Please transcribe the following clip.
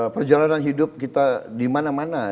perjalanan hidup kita di mana mana